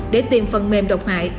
để tìm phần mềm độc hại